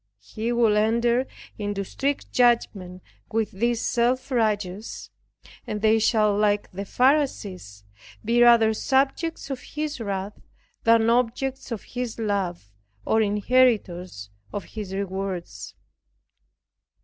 He will enter into strict judgment with these self righteous, and they shall, like the Pharisees, be rather subjects of His wrath, than objects of His love, or inheritors of His rewards.